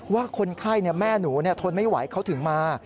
ว่าคนไข้แม่หนูทนไม่ไหวเขาถึงมา